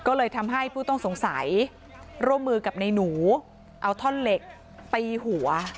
ก็เลยทำให้ผู้ต้องสงสัยร่วมมือกับในหนูเอาท่อนเหล็กตีหัว